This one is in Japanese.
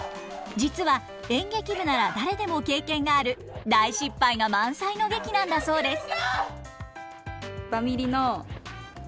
実は演劇部なら誰でも経験がある大失敗が満載の劇なんだそうです。